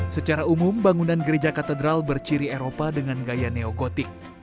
secara umum bangunan gereja katedral berciri eropa dengan gaya neogotik